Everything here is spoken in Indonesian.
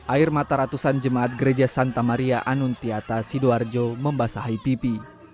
air mata ratusan jemaat gereja santa maria anuntiata sidoarjo membasahi pipi